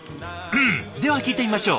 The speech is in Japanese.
では聞いてみましょう。